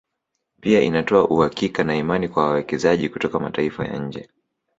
Pia inatoa uhakika na imani kwa wawekezaji kutoka mataifa ya nje